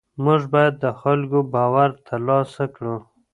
موږ باید د خلکو باور ترلاسه کړو.